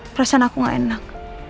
perasaan aku gak enak